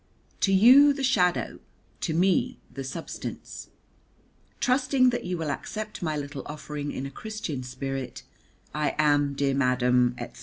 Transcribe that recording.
To you the shadow, to me the substance. Trusting that you will accept my little offering in a Christian spirit, I am, dear madam," etc.